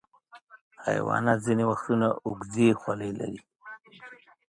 حیوانات ځینې وختونه اوږدې خولۍ لري.